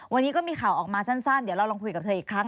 วันนี้ก็มีข่าวออกมาสั้นเดี๋ยวเราลองคุยกับเธออีกครั้ง